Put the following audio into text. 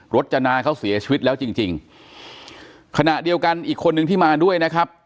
จนาเขาเสียชีวิตแล้วจริงจริงขณะเดียวกันอีกคนนึงที่มาด้วยนะครับ